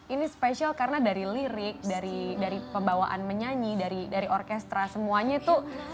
ini spesial karena dari lirik dari pembawaan menyanyi dari orkestra semuanya tuh